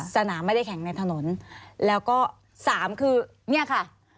สนามไม่ได้แข็งในถนนแล้วก็สามคือเนี่ยค่ะ